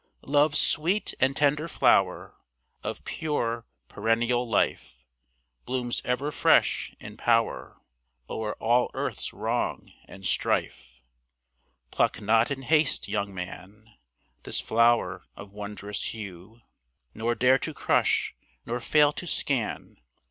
Love's sweet and tender flower Of pure, perennial life, Blooms ever fresh in power O'er all earth's wrong and strife. Pluck not in haste, young man, This flower of wondrous hue, Nor dare to crush, nor fail to scan.